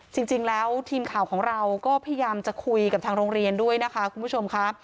จริงแล้วทีมข่าวของเราก็พยายามจะคุยกับทางโรงเรียนด้วยนะคะคุณผู้ชมค่ะ